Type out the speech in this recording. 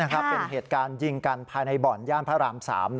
เป็นเหตุการณ์ยิงกันภายในบ่อนย่านพระราม๓